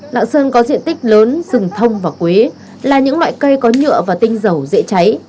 lạng sơn có diện tích lớn rừng thông và quế là những loại cây có nhựa và tinh dầu dễ cháy